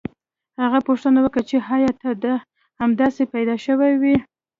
هغه پوښتنه وکړه چې ایا ته همداسې پیدا شوی وې